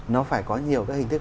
nó phải có nhiều cái hình thức